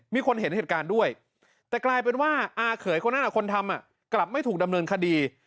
มีคนเห็นเหตุการณ์ด้วยแต่กลายเป็นว่าอาเขยคนนั้นคนทำกลับไม่ถูกดำเนินคดี